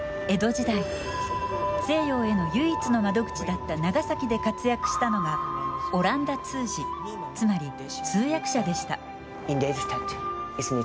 江戸時代、西洋への唯一の窓口だった長崎で活躍したのがオランダ通詞つまり、通訳者でした。